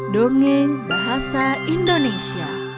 dongeng bahasa indonesia